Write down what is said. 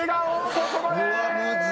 そこまで！